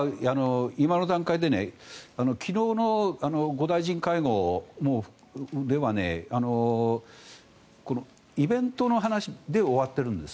今の段階で昨日の５大臣会合ではイベントの話で終わってるんです。